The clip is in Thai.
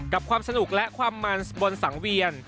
ความสนุกและความมันบนสังเวียน